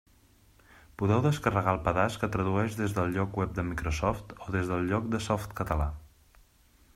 Podeu descarregar el pedaç que tradueix des del lloc web de Microsoft o des del lloc de Softcatalà.